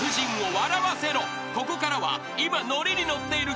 ［ここからは今］